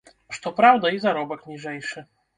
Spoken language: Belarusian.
Што праўда, і заробак ніжэйшы.